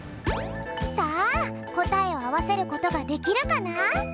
さあこたえをあわせることができるかな？